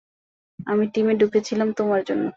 আমি টিমে ঢুকেছিলাম তোমার জন্য।